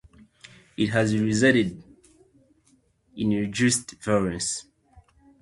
It has resulted in decreased violence.